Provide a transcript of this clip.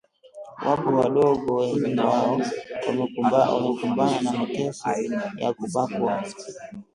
Wapo wadogo wengi wao wamekumbana na mateso ya kubakwa